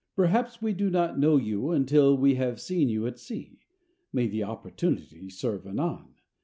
Perhaps we do not know you until we have seen you at sea (may the opportunity serve anon!).